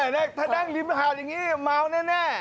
นั่งดินขาวแบบนี้แมวแน่